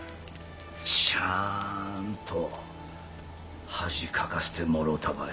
ちゃんと恥かかせてもろうたばい。